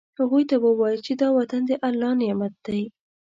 هغوی ته ووایاست چې دا وطن د الله نعمت دی.